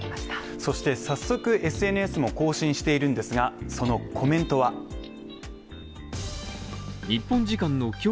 そして早速ＳＮＳも更新しているんですが、そのコメントは日本時間の今日